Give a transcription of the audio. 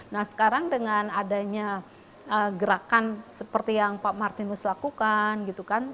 nah sekarang dengan adanya gerakan seperti yang pak martinus lakukan gitu kan